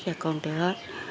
xe con thì hết